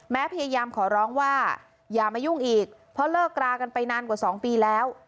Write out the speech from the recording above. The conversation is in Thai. พยายามขอร้องว่าอย่ามายุ่งอีกเพราะเลิกรากันไปนานกว่า๒ปีแล้ว